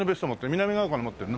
南ヶ丘に持ってるの？